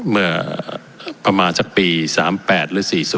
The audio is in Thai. เมื่อประมาณสักปี๓๘หรือ๔๐